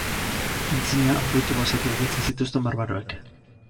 Aintzina fruitu basatiak biltzen zituzten barbaroek.